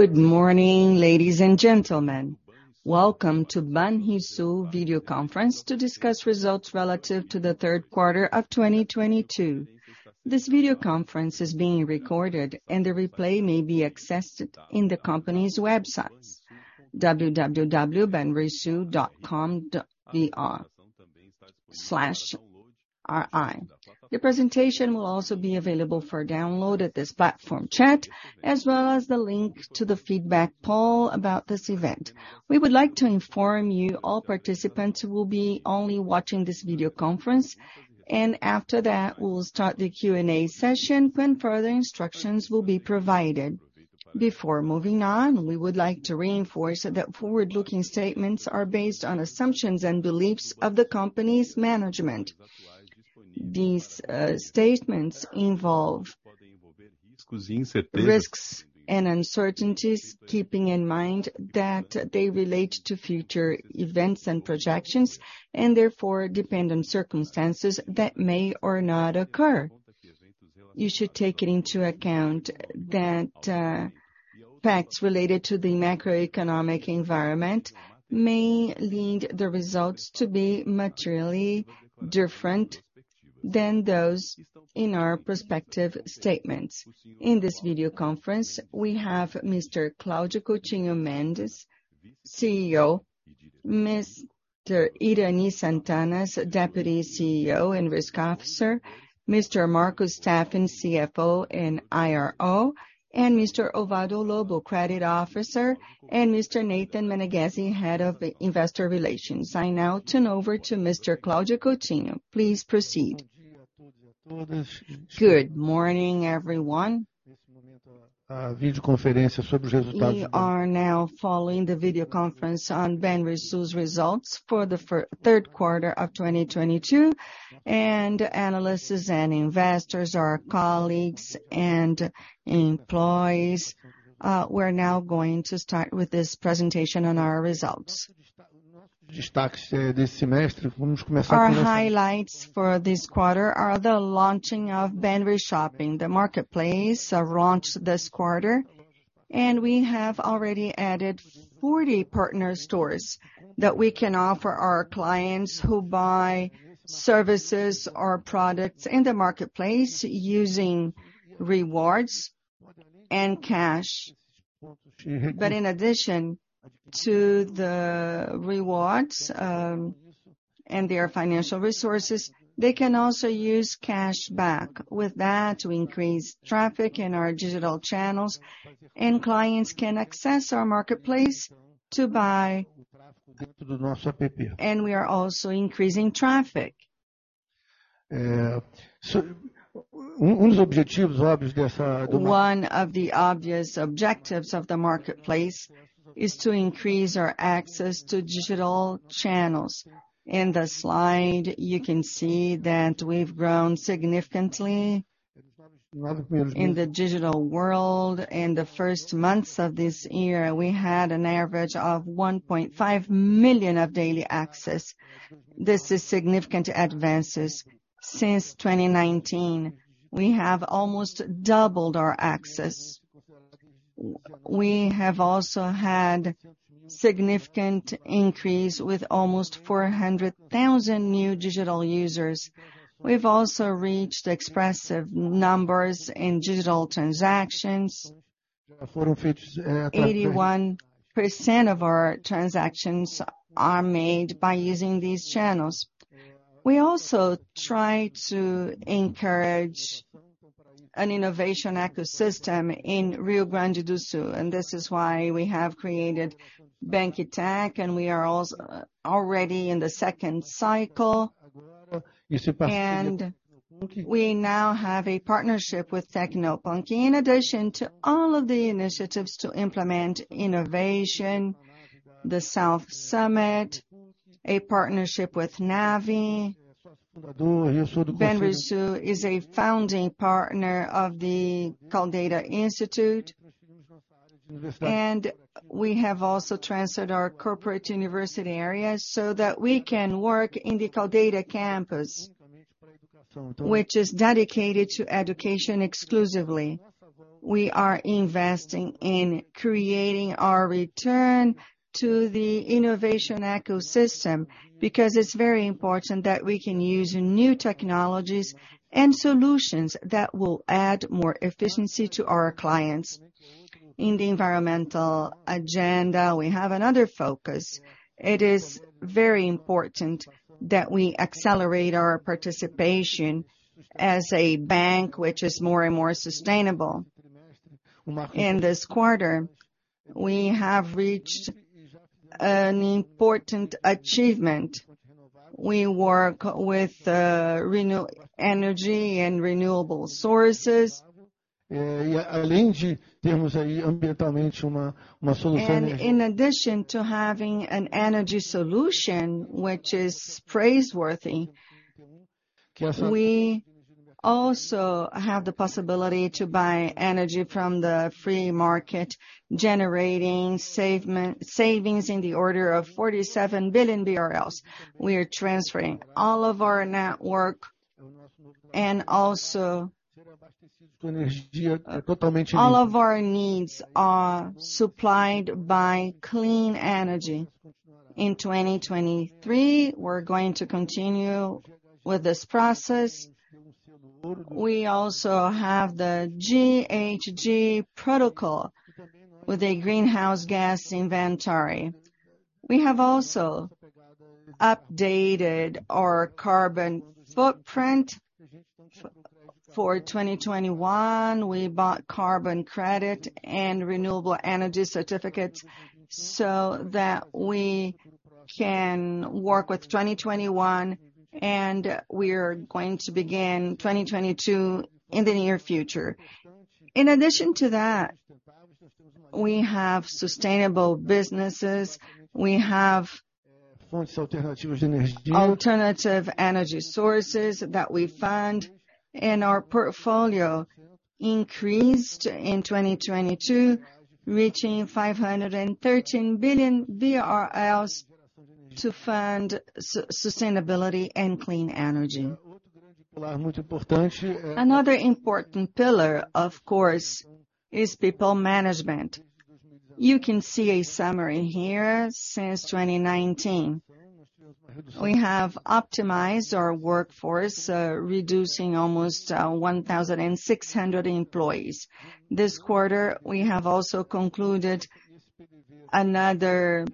Good morning, ladies and gentlemen. Welcome to the Banrisul video conference to discuss results relative to the third quarter of 2022. This video conference is being recorded, and the replay may be accessed on the company's website, www.banrisul.com.br/ri. The presentation will also be available for download at this platform chat, as well as the link to the feedback poll about this event. We would like to inform you that all participants will only be watching this video conference, and after that, we'll start the Q&A session when further instructions are provided. Before moving on, we would like to reinforce that forward-looking statements are based on assumptions and beliefs of the company's management. These statements involve risks and uncertainties, keeping in mind that they relate to future events and projections, and therefore are dependent on circumstances that may not occur. You should take into account that facts related to the macroeconomic environment may lead the results to be materially different than those in our prospective statements. In this video conference, we have Mr. Cláudio Coutinho Mendes, CEO, Mr. Irany Sant'Anna, Deputy CEO and Risk Officer, Mr. Marcus Staffen, CFO and IRO, and Mr. Osvaldo Lobo Pires, Credit Officer, and Mr. Nathan Meneguzzi, Head of Investor Relations. I now turn over to Mr. Cláudio Coutinho. Please proceed. Good morning, everyone. We are now following the video conference on Banrisul's results for the third quarter of 2022. Analysts and investors, our colleagues and employees, we're now going to start with this presentation on our results. Our highlights for this quarter are the launch of BanriShopping, the marketplace, launched this quarter, and we have already added 40 partner stores that we can offer our clients who buy services or products in the marketplace using rewards and cash. In addition to the rewards and their financial resources, they can also use cashback. With that, we increase traffic in our digital channels, and clients can access our marketplace to buy. We are also increasing traffic. One of the obvious objectives of the marketplace is to increase our access to digital channels. In the slide, you can see that we've grown significantly in the digital world. In the first months of this year, we had an average of 1.5 million of daily access. This is significant advances. Since 2019, we have almost doubled our access. We have also had a significant increase with almost 400,000 new digital users. We've also reached expressive numbers in digital transactions. 81% of our transactions are made by using these channels. We also try to encourage an innovation ecosystem in Rio Grande do Sul, and this is why we have created BanriTech, and we are already in the second cycle. We now have a partnership with Tecnopuc. In addition to all of the initiatives to implement innovation, the South Summit is a partnership with NAVI. Banrisul is a founding partner of the Instituto Caldeira. We have also transferred our corporate university areas so that we can work in the Caldeira campus, which is dedicated to education exclusively. We are investing in creating our return to the innovation ecosystem because it's very important that we can use new technologies and solutions that will add more efficiency to our clients. In the environmental agenda, we have another focus. It is very important that we accelerate our participation as a bank which is more and more sustainable. In this quarter, we have reached an important achievement. We work with renewable energy and renewable sources. In addition to having an energy solution which is praiseworthy, we also have the possibility to buy energy from the free market, generating savings in the order of 47 billion BRL. We are transferring all of our network. Also ,all of our needs are supplied by clean energy. In 2023, we're going to continue with this process. We also have the GHG Protocol with a greenhouse gas inventory. We have also updated our carbon footprint. For 2021, we bought carbon credit and renewable energy certificates, so that we can work with 2021, and we're going to begin 2022 in the near future. In addition to that, we have sustainable businesses. We have alternative energy sources that we fund, and our portfolio increased in 2022, reaching 513 billion BRL to fund sustainability and clean energy. Another important pillar, of course, is people management. You can see a summary here since 2019. We have optimized our workforce, reducing almost 1,600 employees. This quarter, we have also concluded another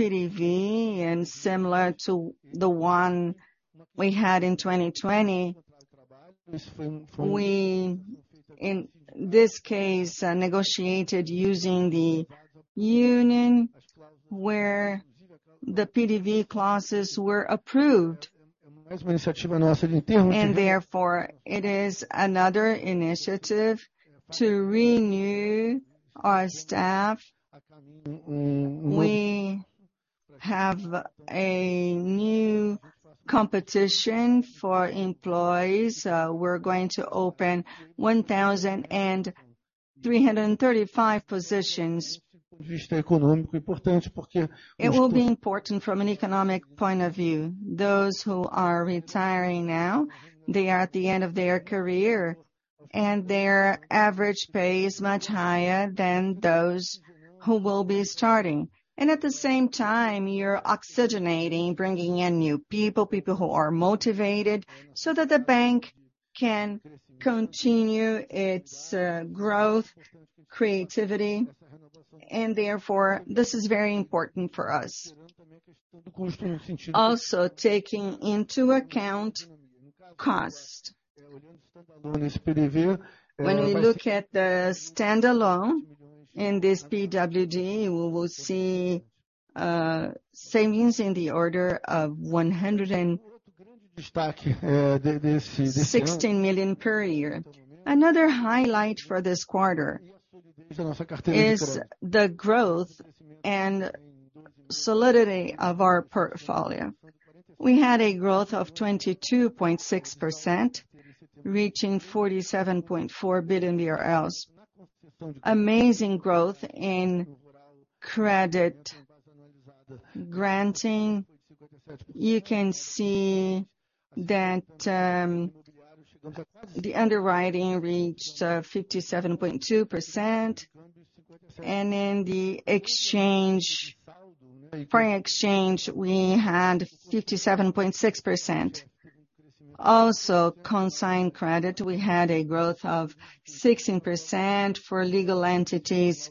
PDV, and similar to the one we had in 2020. We, in this case, negotiated using the union where the PDV clauses were approved. Therefore, it is another initiative to renew our staff. We have a new competition for employees. We're going to open 1,335 positions. It will be important from an economic point of view. Those who are retiring now, they are at the end of their career, and their average pay is much higher than those who will be starting. At the same time, you're oxygenating, bringing in new people who are motivated, so that the bank can continue its growth, creativity, and therefore, this is very important for us. Also, taking into account cost. When we look at the standalone in this PDV, we will see savings in the order of 116 million per year. Another highlight for this quarter is the growth and solidity of our portfolio. We had a growth of 22.6%, reaching 47.4 billion. Amazing growth in credit granting. You can see that, the underwriting reached 57.2%. In the foreign exchange, we had 57.6%. Consign credit, we had a growth of 16%. For legal entities,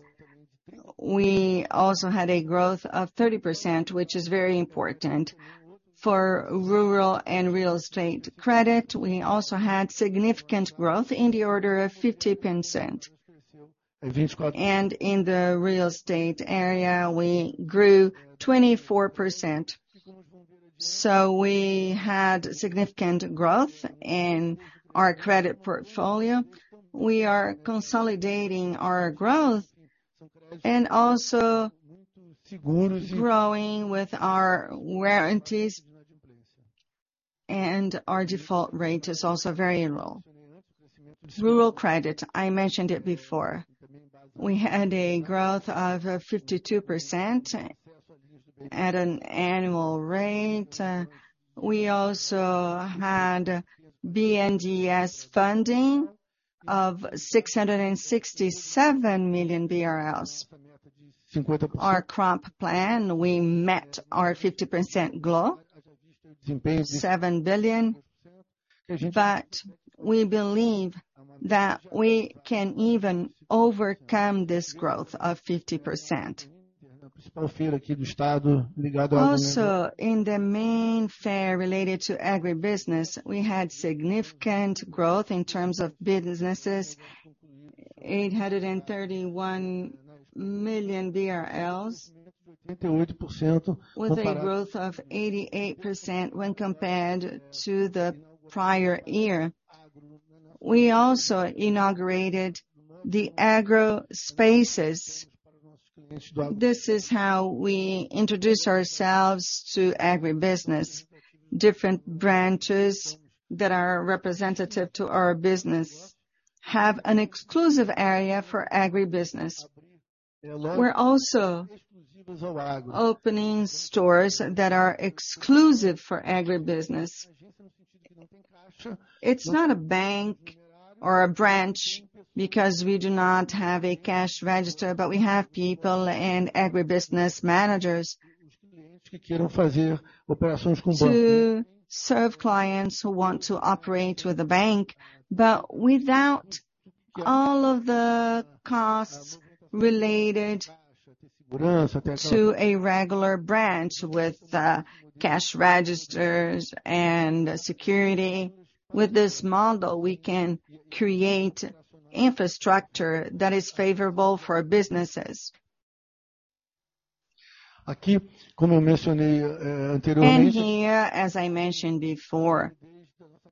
we also had a growth of 30%, which is very important. For rural and real estate credit, we also had significant growth in the order of 50%. In the real estate area, we grew 24%. We had significant growth in our credit portfolio. We are consolidating our growth and also growing with our warranties, and our default rate is also very low. Rural credit, I mentioned it before. We had a growth of 52% at an annual rate. We also had BNDES funding of 667 million BRL. Our crop plan, we met our 50% goal, BRL 7 billion. We believe that we can even overcome this growth of 50%. Also, in the main fair related to agribusiness, we had significant growth in terms of businesses, BRL 831 million, with a growth of 88% when compared to the prior year. We also inaugurated the Agro Spaces. This is how we introduce ourselves to agribusiness. Different branches that are representative to our business have an exclusive area for agribusiness. We're also opening stores that are exclusive for agribusiness. It's not a bank or a branch because we do not have a cash register, but we have people and agribusiness managers to serve clients who want to operate with the bank, but without all of the costs related to a regular branch with cash registers and security. With this model, we can create infrastructure that is favorable for businesses. Here, as I mentioned before,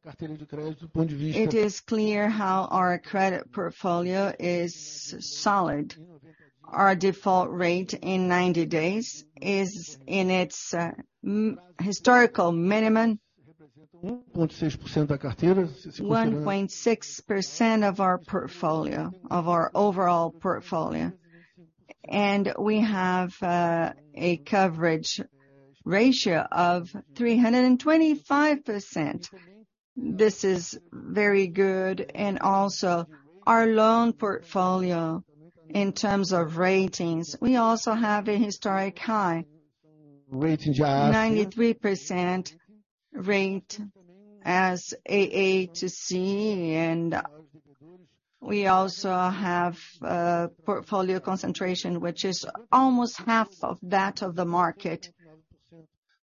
it is clear how our credit portfolio is solid. Our default rate in 90 days is in its historical minimum. 1.6% of our portfolio, of our overall portfolio. We have a coverage ratio of 325%. This is very good, and also our loan portfolio in terms of ratings. We also have a historic high. 93% rate as AA to C, and we also have a portfolio concentration, which is almost half of that of the market,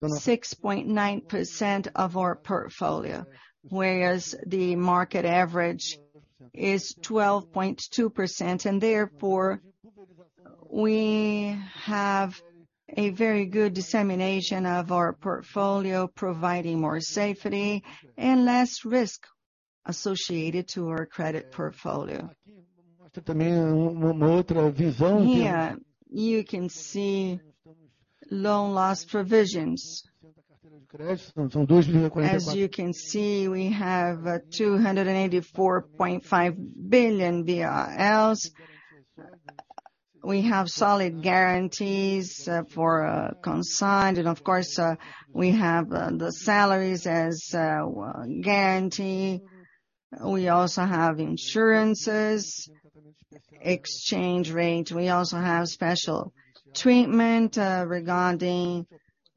6.9% of our portfolio, whereas the market average is 12.2%. Therefore, we have a very good dissemination of our portfolio, providing more safety and less risk associated to our credit portfolio. Here, you can see loan loss provisions. As you can see, we have 284.5 billion BRL. We have solid guarantees for consigned, and of course, we have the salaries as guarantee. We also have insurances, exchange rate. We also have special treatment regarding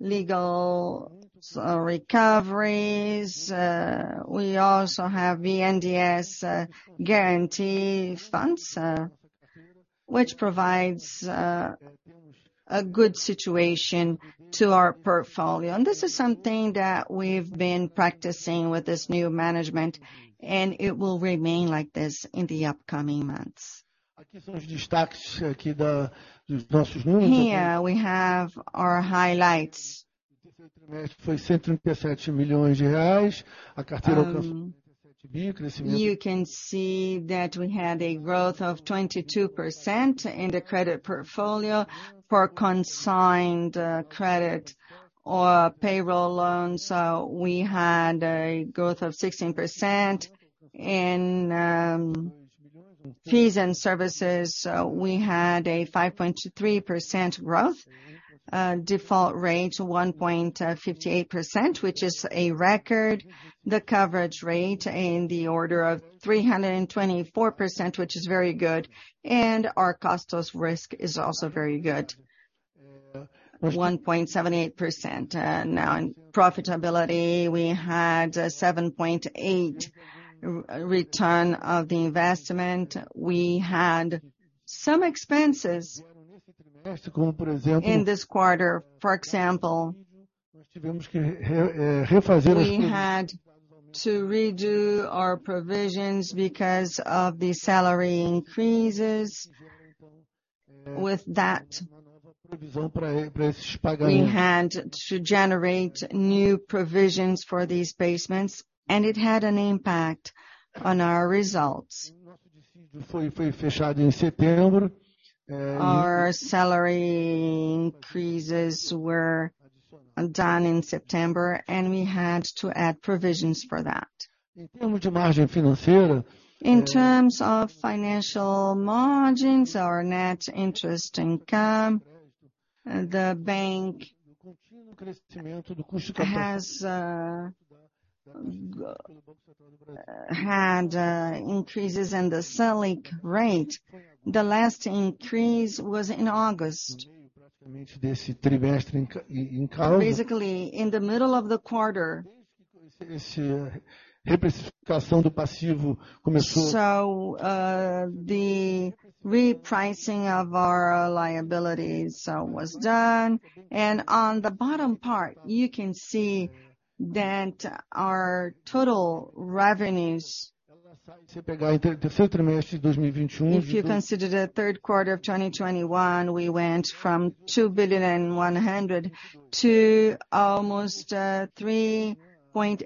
legal sort of recoveries. We also have BNDES guarantee funds, which provides a good situation to our portfolio. This is something that we've been practicing with this new management, and it will remain like this in the upcoming months. Here we have our highlights. You can see that we had a growth of 22% in the credit portfolio for consigned credit or payroll loans. We had a growth of 16%. In fees and services, we had a 5.3% growth. Default rate 1.58%, which is a record. The coverage rate in the order of 324%, which is very good. Our cost of risk is also very good, 1.78%. Now in profitability, we had 7.8% return on the investment. We had some expenses in this quarter, for example, we had to redo our provisions because of the salary increases. With that, we had to generate new provisions for these increases, and it had an impact on our results. Our salary increases were done in September, and we had to add provisions for that. In terms of financial margins or net interest income, the bank has had increases in the Selic rate. The last increase was in August. Basically, in the middle of the quarter. The repricing of our liabilities was done. On the bottom part, you can see that our total revenues, if you consider the third quarter of 2021, we went from 2.1 billion to almost 3.8 billion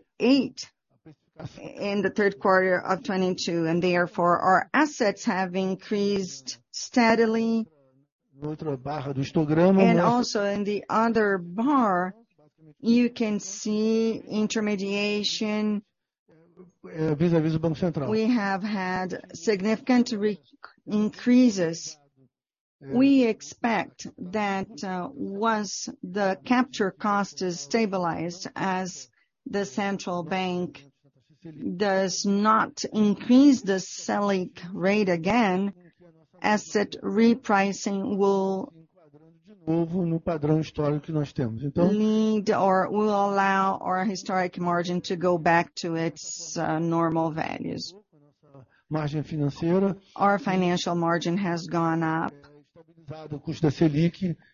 in the third quarter of 2022. Therefore, our assets have increased steadily. In the other bar, you can see intermediation. We have had significant increases. We expect that, once the capture cost is stabilized as the Central Bank does not increase the Selic rate again, asset repricing will need or will allow our historic margin to go back to its normal values. Our financial margin has gone up.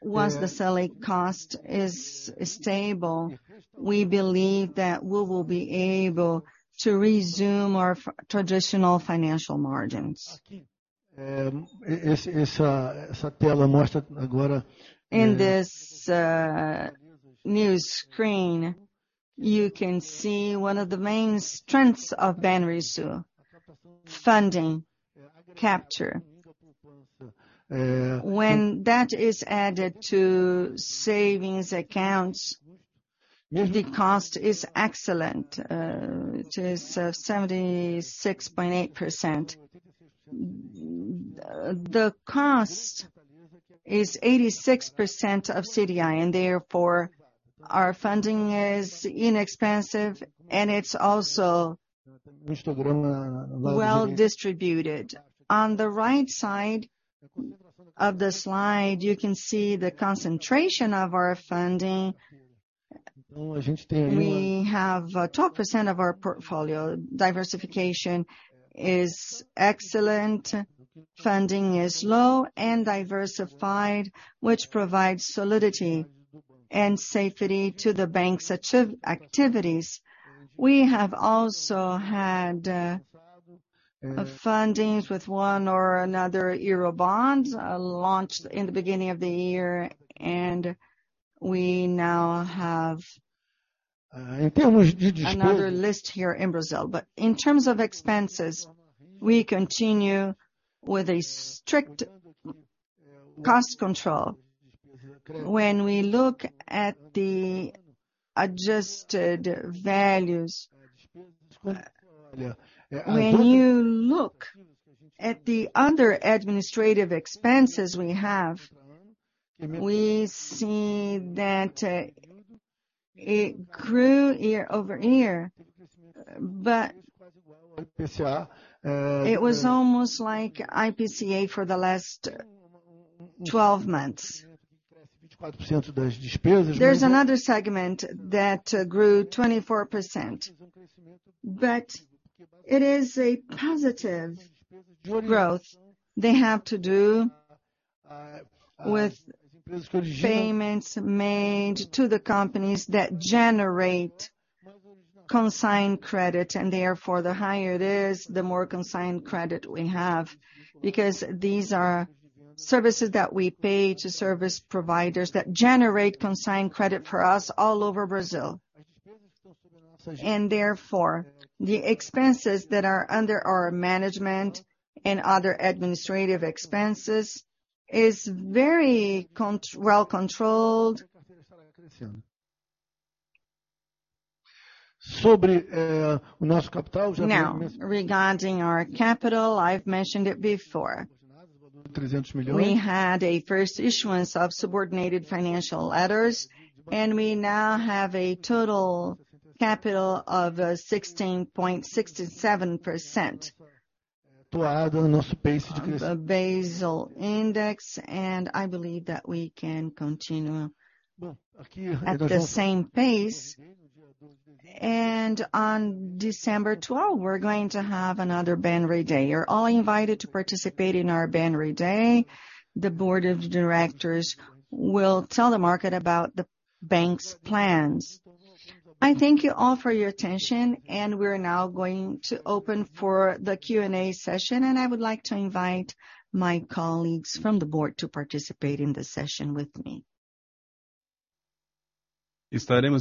Once the Selic cost is stable, we believe that we will be able to resume our traditional financial margins. In this new screen, you can see one of the main strengths of Banrisul: funding capture. When that is added to savings accounts, the cost is excellent. It is 76.8%. The cost is 86% of CDI and therefore our funding is inexpensive and it's also well-distributed. On the right side of the slide, you can see the concentration of our funding. We have 12% of our portfolio. Diversification is excellent, funding is low and diversified, which provides solidity and safety to the bank's activities. We have also had fundings with one or another Eurobond launched in the beginning of the year, and we now have another list here in Brazil. In terms of expenses, we continue with a strict cost control. When we look at the adjusted values, when you look at the other administrative expenses we have, we see that it grew year over year, but it was almost like IPCA for the last 12 months. There's another segment that grew 24%, but it is a positive growth. They have to do with payments made to the companies that generate consigned credit and therefore the higher it is, the more consigned credit we have. Because these are services that we pay to service providers that generate consigned credit for us all over Brazil. Therefore, the expenses that are under our management and other administrative expenses is very well controlled. Now, regarding our capital, I've mentioned it before. We had a first issuance of subordinated financial letters, and we now have a total capital of 16.67% of the Basel index, and I believe that we can continue at the same pace. On December 12, we're going to have another Banrisul Day. You're all invited to participate in our Banrisul Day. The board of directors will tell the market about the bank's plans. I thank you all for your attention, and we're now going to open for the Q&A session, and I would like to invite my colleagues from the board to participate in this session with me. We will now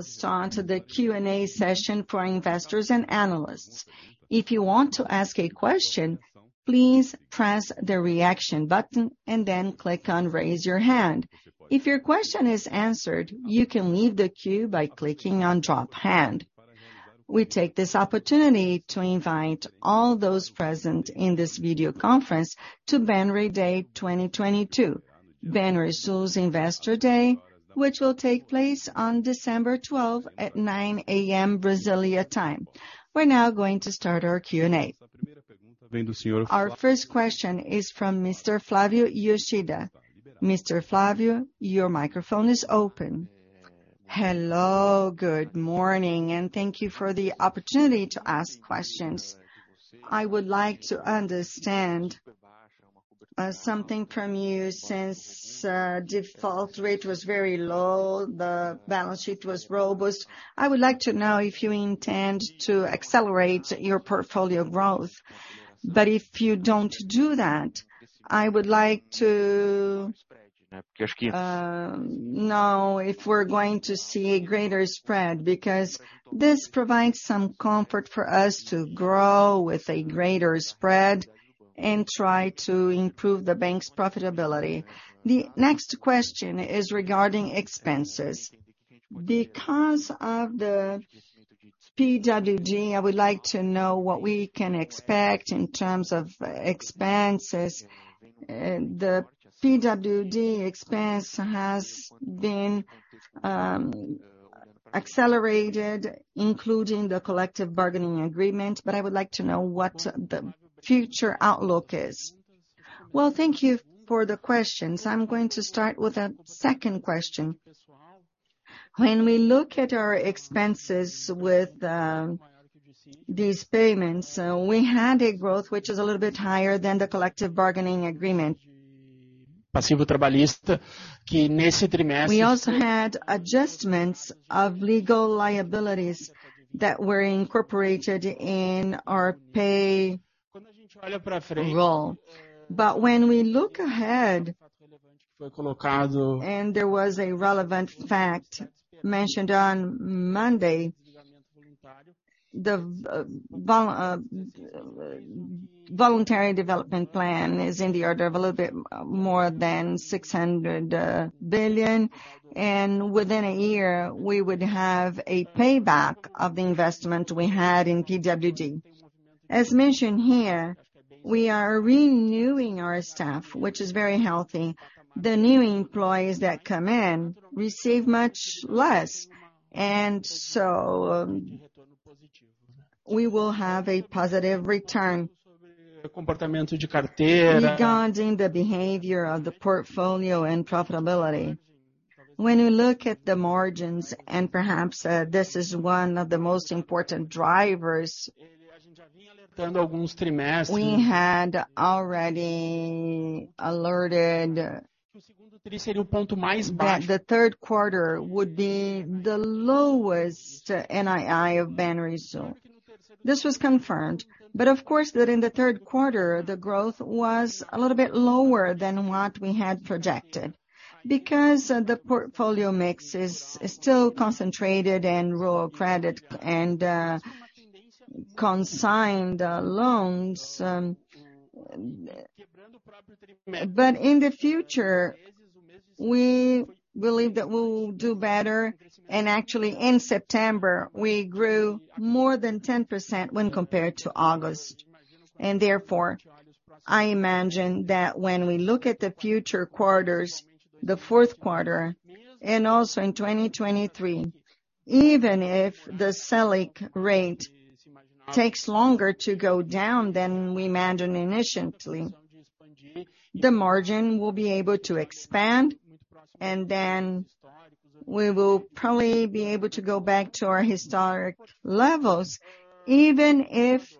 start the Q&A session for investors and analysts. If you want to ask a question, please press the Reaction button and then click on Raise Your Hand. If your question is answered, you can leave the queue by clicking on Drop Hand. We take this opportunity to invite all those present in this video conference to Banrisul Day 2022, Banrisul's Investor Day, which will take place on December 12 at 9:00 A.M. Brasília time. We're now going to start our Q&A. Our first question is from Mr. Flavio Yoshida. Mr. Flavio, your microphone is open. Hello, good morning, and thank you for the opportunity to ask questions. I would like to understand something from you. Since, the default rate was very low, the balance sheet was robust. I would like to know if you intend to accelerate your portfolio growth. But if you don't do that, I would like to know if we're going to see a greater spread, because this provides some comfort for us to grow with a greater spread and try to improve the bank's profitability. The next question is regarding expenses. Because of the PDV, I would like to know what we can expect in terms of expenses. The PDV expense has been accelerated, including the collective bargaining agreement, but I would like to know what the future outlook is. Well, thank you for the questions. I'm going to start with the second question. When we look at our expenses with these payments, we had a growth which is a little bit higher than the collective bargaining agreement. We also had adjustments of legal liabilities that were incorporated in our payroll. When we look ahead, and there was a relevant fact mentioned on Monday, the voluntary separation plan is in the order of a little bit more than 600 billion, and within a year, we would have a payback of the investment we had in PDV. As mentioned here, we are renewing our staff, which is very healthy. The new employees who come in receive much less, and so we will have a positive return. Regarding the behavior of the portfolio and profitability. When you look at the margins, and perhaps this is one of the most important drivers, we had already alerted that the third quarter would be the lowest NII of Banrisul. This was confirmed, but of course, during the third quarter, the growth was a little bit lower than what we had projected. Because the portfolio mix is still concentrated in rural credit and consigned loans. In the future, we believe that we'll do better. Actually, in September, we grew more than 10% when compared to August. Therefore, I imagine that when we look at the future quarters, the fourth quarter, and also in 2023, even if the Selic rate takes longer to go down than we imagined initially, the margin will be able to expand, and then we will probably be able to go back to our historic levels, even if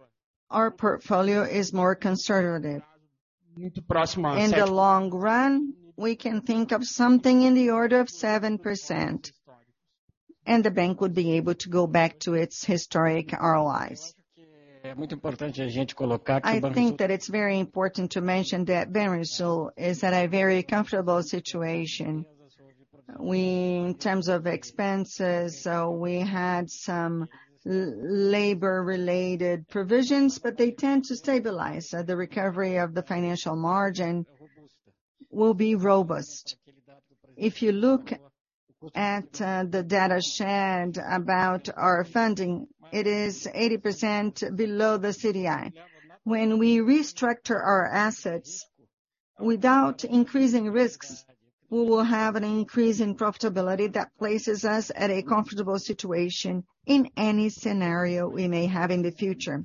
our portfolio is more conservative. In the long run, we can think of something in the order of 7%, and the bank would be able to go back to its historic ROIs. I think that it's very important to mention that Banrisul is in a very comfortable situation. In terms of expenses, we had some labor-related provisions, but they tend to stabilize. The recovery of the financial margin will be robust. If you look at the data shared about our funding, it is 80% below the CDI. When we restructure our assets without increasing risks, we will have an increase in profitability that places us in a comfortable situation in any scenario we may have in the future.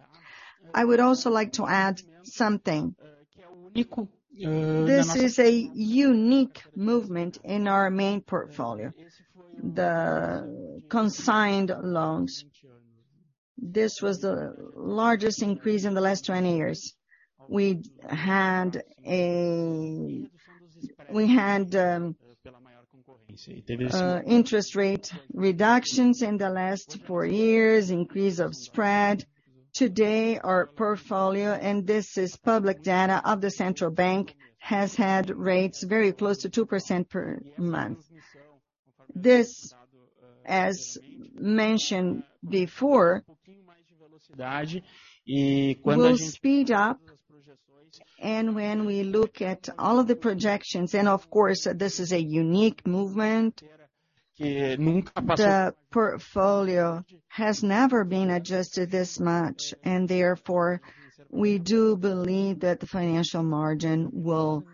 I would also like to add something. This is a unique movement in our main portfolio, the consigned loans. This was the largest increase in the last 20 years. We had interest rate reductions in the last four years, an increase of spread. Today, our portfolio, and this is public data of the central bank, has had rates very close to 2% per month. This, as mentioned before, will speed up, and when we look at all of the projections, and of course, this is a unique movement, the portfolio has never been adjusted this much, and therefore, we do believe that the financial margin will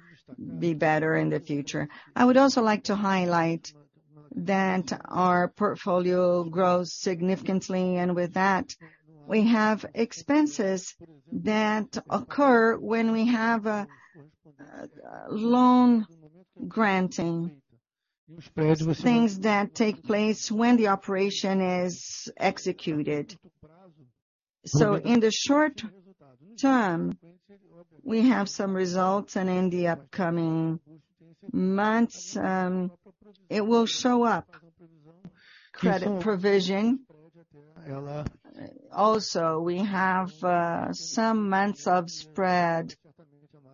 be better in the future. I would also like to highlight that our portfolio grows significantly, and with that, we have expenses that occur when we have a loan granting, things that take place when the operation is executed. In the short term, we have some results, and in the upcoming months, it will show up. Credit provision. Also, we have some months of spread,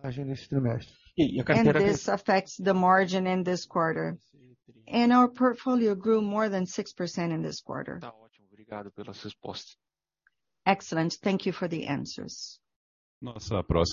and this affects the margin in this quarter. Our portfolio grew more than 6% in this quarter. Excellent. Thank you for the answers. Our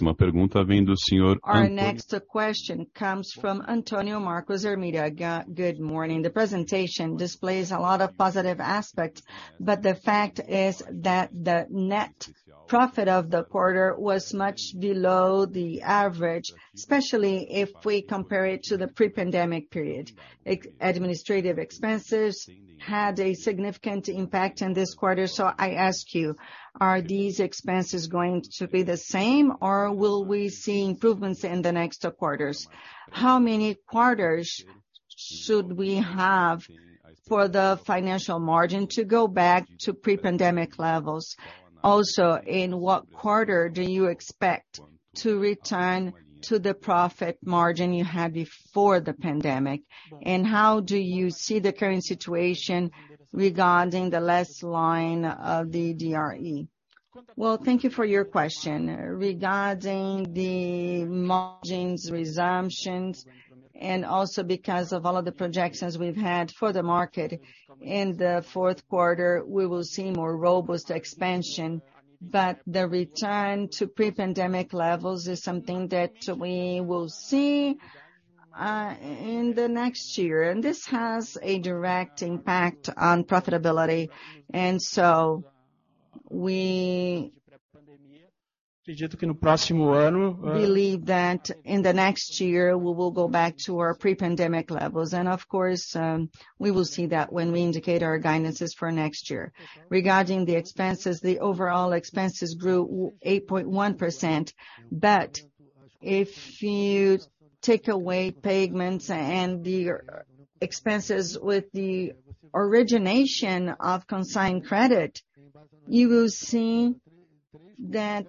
next question comes from Antonio Marcos Ermirio. Good morning. The presentation displays a lot of positive aspects, but the fact is that the net profit of the quarter was much below the average, especially if we compare it to the pre-pandemic period. Ex-administrative expenses had a significant impact in this quarter, so I ask you, are these expenses going to be the same, or will we see improvements in the next quarters? How many quarters should we have for the financial margin to go back to pre-pandemic levels? Also, in what quarter do you expect to return to the profit margin you had before the pandemic? How do you see the current situation regarding the last line of the DRE? Well, thank you for your question. Regarding the margin's resumptions, and also because of all of the projections we've had for the market, in the fourth quarter, we will see more robust expansion. The return to pre-pandemic levels is something that we will see in the next year. This has a direct impact on profitability. We believe that in the next year, we will go back to our pre-pandemic levels. Of course, we will see that when we indicate our guidance for next year. Regarding the expenses, the overall expenses grew 8.1%. If you take away payments and the expenses with the origination of consigned credit, you will see that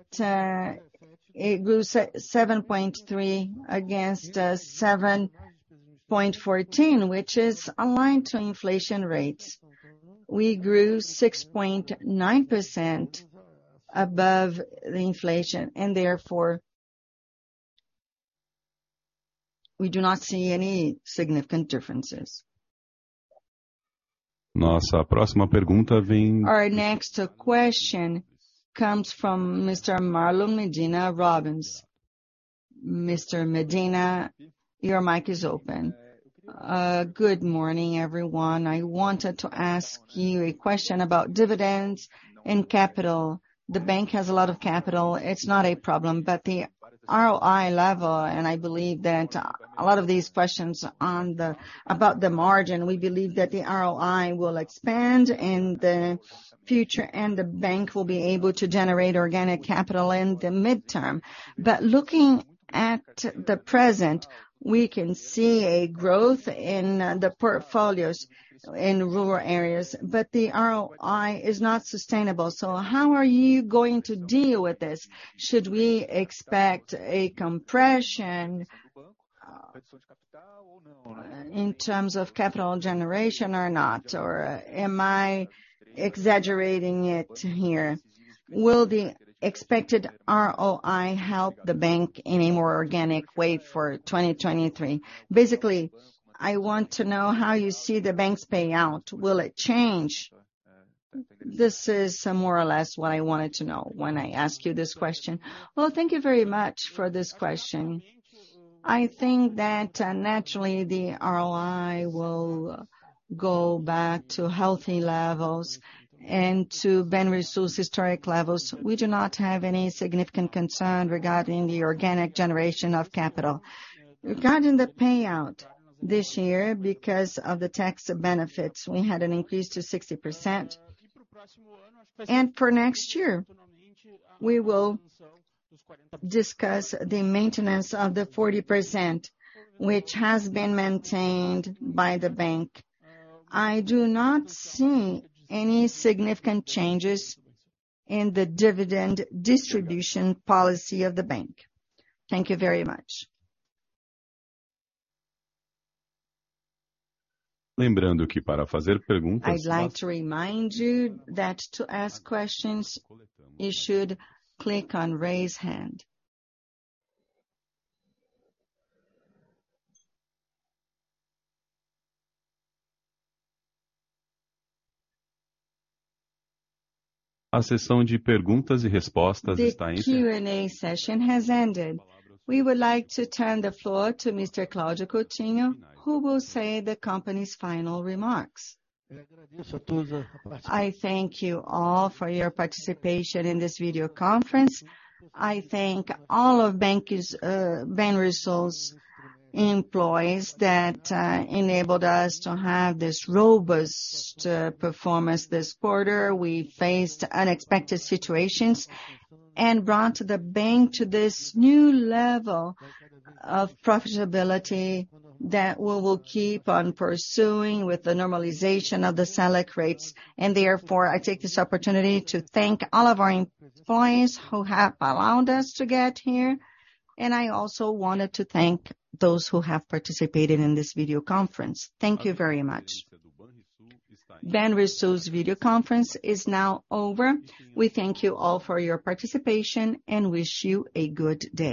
it grew 7.3 against 7.14, which is aligned with inflation rates. We grew 6.9% above the inflation, and therefore, we do not see any significant differences. Our next question comes from Mr. Marlon Medina Robles. Mr. Medina, your mic is open. Good morning, everyone. I wanted to ask you a question about dividends and capital. The bank has a lot of capital. It's not a problem. The ROI level, and I believe that a lot of these questions about the margin, we believe that the ROI will expand in the future, and the bank will be able to generate organic capital in the midterm. Looking at the present, we can see a growth in the portfolios in rural areas, but the ROI is not sustainable. How are you going to deal with this? Should we expect a compression in terms of capital generation or not? Or am I exaggerating it here? Will the expected ROI help the bank in a more organic way in 2023? Basically, I want to know how you see the bank's payout. Will it change? This is more or less what I wanted to know when I askedyou this question. Well, thank you very much for this question. I think that, naturally, the ROI will go back to healthy levels and to Banrisul's historic levels. We do not have any significant concern regarding the organic generation of capital. Regarding the payout this year, because of the tax benefits, we had an increase to 60%. For next year, we will discuss the maintenance of the 40%, which has been maintained by the bank. I do not see any significant changes in the dividend distribution policy of the bank. Thank you very much. I'd like to remind you that to ask questions, you should click on raise hand. The Q&A session has ended. We would like to turn the floor over to Mr. Cláudio Coutinho Mendes, who will make the company's final remarks. I thank you all for your participation in this video conference. I thank all of Banrisul's employees who enabled us to have this robust performance this quarter. We faced unexpected situations and brought the bank to this new level of profitability that we will keep on pursuing with the normalization of the Selic rates. Therefore, I take this opportunity to thank all of our employees who have allowed us to get here. I also wanted to thank those who have participated in this video conference. Thank you very much. Banrisul's video conference is now over. We thank you all for your participation and wish you a good day.